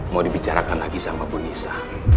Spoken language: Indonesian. mau dibicarakan lagi sama pun nisa